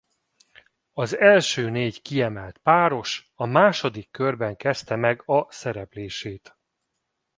Az első négy kiemelt páros a második körben kezdte meg a szereplését.